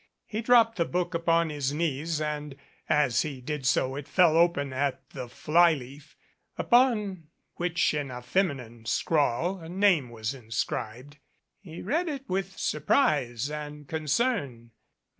He dropped the book upon his knees, and as he did so it fell open at the fly leaf, upon which in a feminine scrawl a name was inscribed. He read it with surprise and concern.